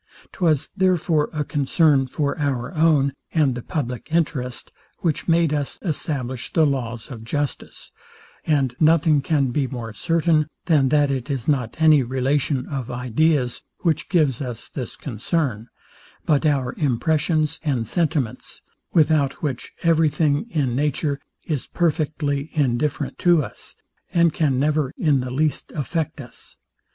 Twas therefore a concern for our own, and the publick interest, which made us establish the laws of justice; and nothing can be more certain, than that it is not any relation of ideas, which gives us this concern, but our impressions and sentiments, without which every thing in nature is perfectly indifferent to us, and can never in the least affect us.